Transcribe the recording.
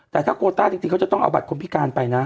แต่ถ้าโคต้าจริงเขาจะต้องเอาบัตรคนพิการไปนะ